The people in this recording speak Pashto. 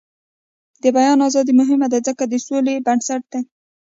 د بیان ازادي مهمه ده ځکه چې د سولې بنسټ دی.